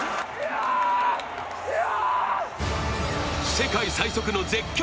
世界最速の絶叫